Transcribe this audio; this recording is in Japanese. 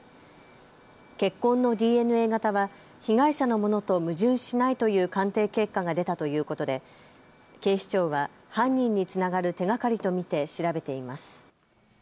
血痕のＤＮＡ型は被害者のものと矛盾しないという鑑定結果が出たということで警視庁は犯人につながる手がかりと見て調べています。